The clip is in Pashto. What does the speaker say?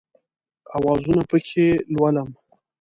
اوازونه پکښې لولم